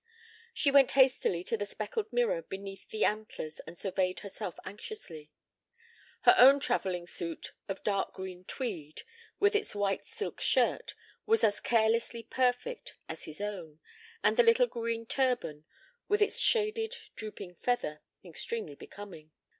She went hastily to the speckled mirror beneath the antlers and surveyed herself anxiously. Her own travelling suit of dark green tweed, with its white silk shirt, was as carelessly perfect as his own, and the little green turban, with its shaded, drooping feather, extremely becoming.